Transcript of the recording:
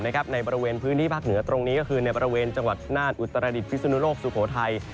ในบริเวณพื้นที่ภาคเหนือตรงนี้ก็คือในบริเวณจังหวัดน่านอุตรดิษฐพิสุนุโลกสุโขทัย